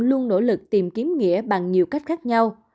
luôn nỗ lực tìm kiếm nghĩa bằng nhiều cách khác nhau